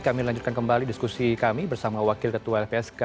kami lanjutkan kembali diskusi kami bersama wakil ketua lpsk